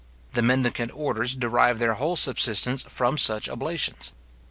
The mendicant orders derive their whole subsistence from such oblations.